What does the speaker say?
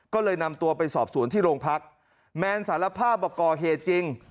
ก็เลยนำตัวไปสอบสวนที่โรงพักแมนสารภาพบอกก่อเหตุจริง